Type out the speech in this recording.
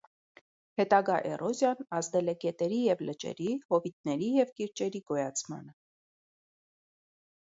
Հետագա էրոզիան ազդել է գետերի և լճերի, հովիտների և կիրճերի գոյացմանը։